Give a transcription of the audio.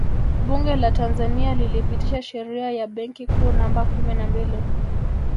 Bunge la Tanzania lilipitisha Sheria ya Benki Kuu Namba kumi na mbili